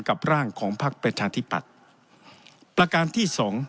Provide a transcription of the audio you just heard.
กับร่างของพักประชาธิบัติ